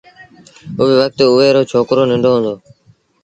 اُئي وکت اُئي رو ڇوڪرو ننڍو هُݩدو